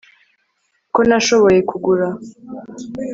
ko nashoboye kugura